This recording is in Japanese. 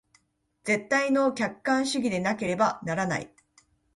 絶対の客観主義でなければならない。